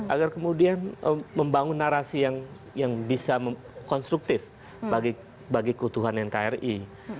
agar kemudian membangun narasi yang bisa konstruktif bagi keutuhan nkri